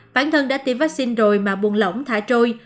bản thân đã tiêm vaccine rồi mà buồn lỏng thả trôi